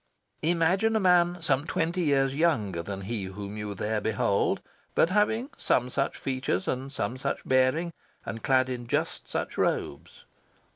Imagine a man some twenty years younger than he whom you there behold, but having some such features and some such bearing, and clad in just such robes.